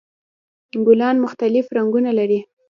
ګلان مختلف رنګونه لري.